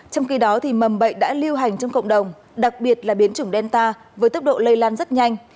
trong khi đó mầm bệnh đã lưu hành trong cộng đồng đặc biệt là biến chủng delta với tốc độ lây lan rất nhanh